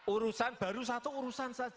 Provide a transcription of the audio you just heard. urusan baru satu urusan